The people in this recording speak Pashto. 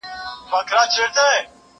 زه بايد پوښتنه وکړم!؟